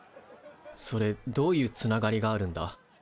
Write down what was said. それどういうつながりがあるんだ？